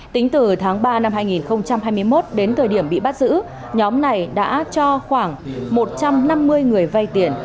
tính từ tháng ba năm hai nghìn hai mươi một đến thời điểm bị bắt giữ nhóm này đã cho khoảng một trăm năm mươi người vay tiền